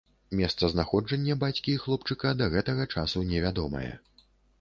Месцазнаходжанне бацькі і хлопчыка да гэтага часу невядомае.